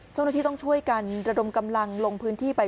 เจ้าหน้าที่ต้องช่วยกันระดมกำลังลงพื้นที่ไป